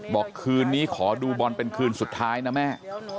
บอกคืนนี้ขอดูบอลเป็นคืนสุดท้ายนะแม่